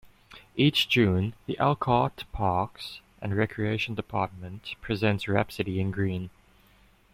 Each June, the Elkhart Parks and Recreation Department presents Rhapsody in Green.